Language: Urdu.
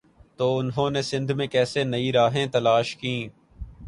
تو انہوں نے سندھ میں کیسے نئی راہیں تلاش کیں۔